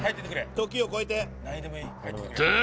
時を超えて。